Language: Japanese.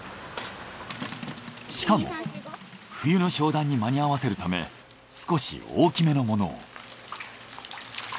しかも冬の商談に間に合わせるため少し大きめのものを。